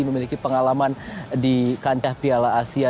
memiliki pengalaman di kancah piala asia